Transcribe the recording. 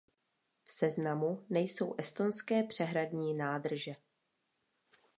V seznamu nejsou estonské přehradní nádrže.